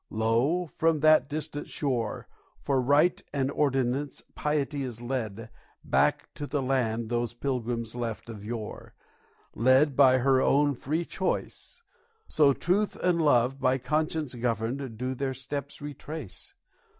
Lo! from that distant shore, For Rite and Ordinance, Piety is led Back to the Land those Pilgrims left of yore, Led by her own free choice. So Truth and Love By Conscience governed do their steps retrace.